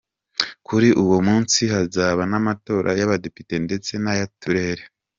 Kuri uwo munsi hazaba n'amatora y'abadepite ndetse n'ay'uturere.